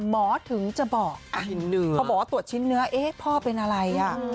หมอถึงจะบอกพอบอกว่าตรวจชิ้นเนื้อพ่อเป็นอะไร